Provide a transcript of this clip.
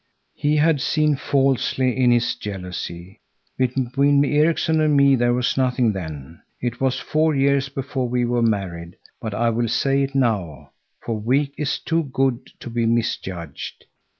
"He had seen falsely in his jealousy. Between Erikson and me there was nothing then. It was four years before we were married; but I will say it now, for Wik is too good to be misjudged.